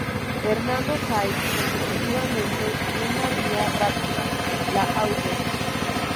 Hernando Siles consecutivamente, y una vía rápida, la Av.